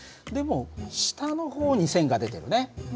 でも下の方に線が出てるね。